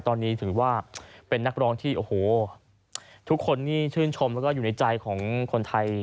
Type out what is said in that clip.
ตอนนี้ถือว่าเป็นนักร้องที่โอ้โหทุกคนนี่ชื่นชมแล้วก็อยู่ในใจของคนไทย